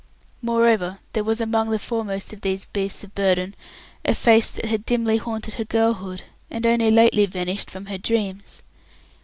Moreover, there was among the foremost of these beasts of burden a face that had dimly haunted her girlhood, and only lately vanished from her dreams.